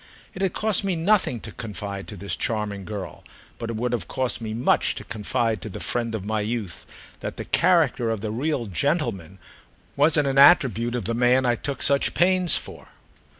It had cost me nothing to confide to this charming girl, but it would have cost me much to confide to the friend of my youth, that the character of the "real gentleman" wasn't an attribute of the man I took such pains for.